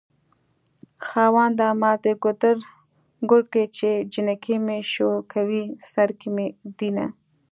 خاونده ما دګودر ګل کړی چې جنکي مې شوکوی سرکې مې ږد ينه